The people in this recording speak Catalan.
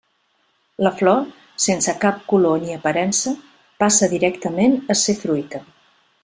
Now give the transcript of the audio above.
La flor, sense cap color ni aparença, passa directament a ser fruita.